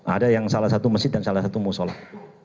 ada yang salah satu masjid dan salah satu musola